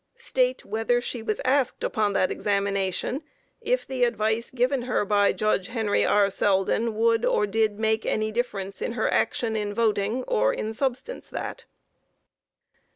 Q. State whether she was asked, upon that examination, if the advice given her by Judge Henry R. Selden would or did make any difference in her action in voting, or in substance that?